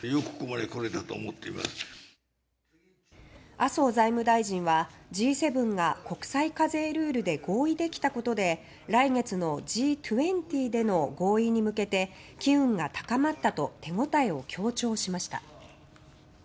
麻生財務大臣はＧ７が国際課税ルールで合意できたことで来月のＧ２０での合意に向けて機運が高まったと手応えを強調しました。